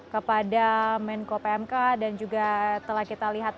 terima kasih coach